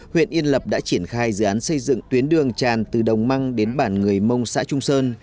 huyện yên lập đã triển khai dự án xây dựng tuyến đường tràn từ đồng măng đến bản người mông xã trung sơn